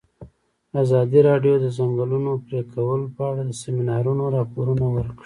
ازادي راډیو د د ځنګلونو پرېکول په اړه د سیمینارونو راپورونه ورکړي.